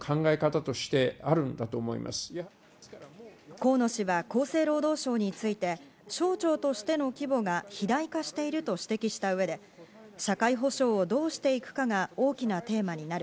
河野氏は厚生労働省について、省庁としての規模が肥大化していると指摘した上で社会保障をどうしていくかが大きなテーマになる。